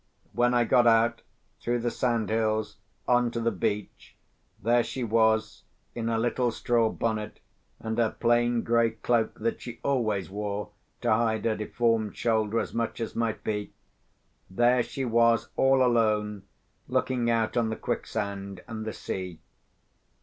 When I got out, through the sandhills, on to the beach, there she was, in her little straw bonnet, and her plain grey cloak that she always wore to hide her deformed shoulder as much as might be—there she was, all alone, looking out on the quicksand and the sea.